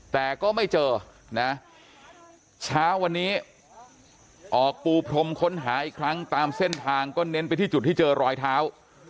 แต่ก็ไม่เจอนะเช้าวันนี้ออกปูพรมค้นหาอีกครั้งตามเส้นทางก็เน้นไปที่จุดที่เจอรอยเท้า